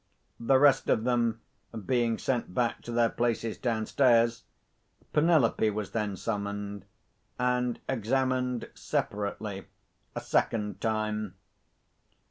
The rest of them being sent back to their places downstairs, Penelope was then summoned, and examined separately a second time.